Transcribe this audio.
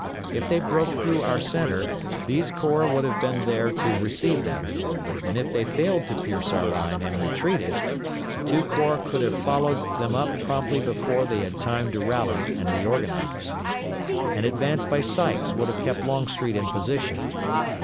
If they broke through our centre these corps would have been there to receive them, and if they failed to pierce our line and retreated, the two corps could have followed them up promptly before they had time to rally and reorganize. An advance by Sykes would have kept Longstreet in position.